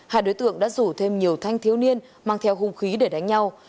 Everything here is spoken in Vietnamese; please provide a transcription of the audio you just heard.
hai đối tượng đã rủ thêm nhiều thanh thiếu niên mang theo hung khí để đánh nhau